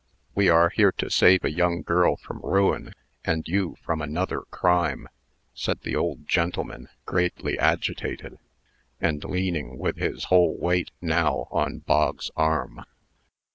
"We are here to save a young girl from ruin, and you from another crime," said the old gentleman, greatly agitated, and leaning with his whole weight, now, on Bog's arm.